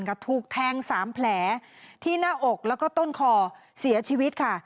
ก็ถูกแทง๓แผลที่หน้าอกแล้วก็ต้นคอเสียชีวิตค่ะ